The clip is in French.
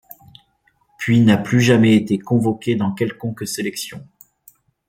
Puis n'a plus jamais été convoqué dans quelconque sélection.